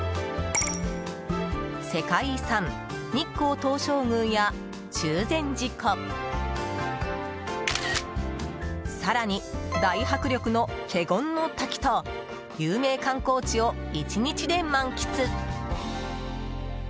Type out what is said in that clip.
世界遺産・日光東照宮や中禅寺湖更に大迫力の華厳の滝と有名観光地を１日で満喫！